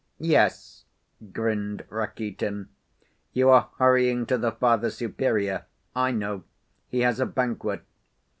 "Yes," grinned Rakitin. "You are hurrying to the Father Superior, I know; he has a banquet.